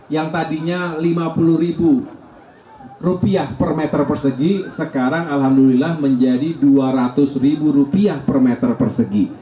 yang tadinya rp lima puluh per meter persegi sekarang alhamdulillah menjadi rp dua ratus per meter persegi